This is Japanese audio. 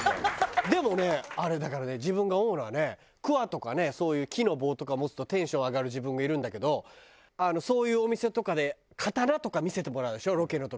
でもねあれだからね自分が思うのはねクワとかねそういう木の棒とかを持つとテンション上がる自分がいるんだけどそういうお店とかで刀とか見せてもらうでしょロケの時とか。